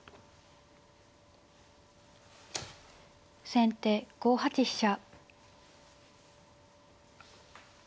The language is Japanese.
先手５八飛車。